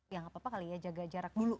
ya gak apa apa kali ya jaga jarak dulu